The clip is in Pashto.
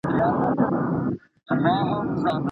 ایا افغان سوداګر کاغذي بادام پلوري؟